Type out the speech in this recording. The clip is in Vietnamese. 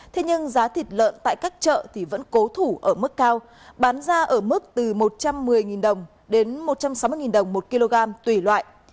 thế nhưng giá thịt lợn tại các chợ thì vẫn cố thủ ở mức cao bán ra ở mức từ một trăm một mươi đồng đến một trăm sáu mươi đồng một kg tùy loại